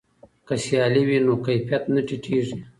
که سیالي وي نو کیفیت نه ټیټیږي.